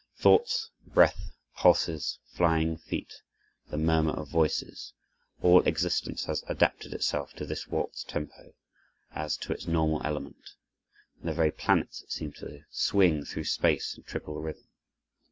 Thoughts, breath, pulses, flying feet, the murmur of voices, all existence has adapted itself to this waltz tempo, as to its normal element, and the very planets seem to swing through space in triple rhythm.